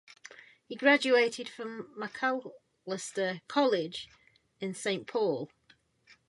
He graduated from Macalester College in Saint Paul.